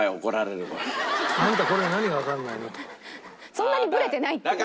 そんなにブレてないっていう。